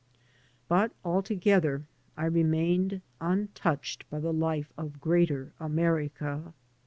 But altogether I remained untouched by the life of greater America.